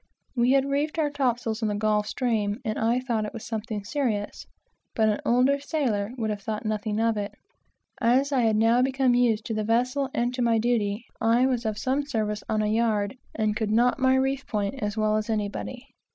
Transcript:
We had reefed our topsails in the Gulf Stream, and I thought it something serious, but an older sailor would have thought nothing of it. As I had now become used to the vessel and to my duty, I was of some service on a yard, and could knot my reef point as well as anybody.